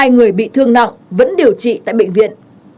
hai người bị thương nặng vẫn điều trị tại bệnh viện